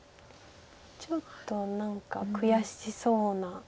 ちょっと何か悔しそうな表情です。